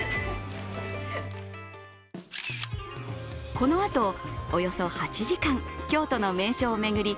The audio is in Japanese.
このあと、およそ８時間京都の名所を巡り